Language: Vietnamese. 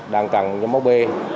đang cần nhóm máu b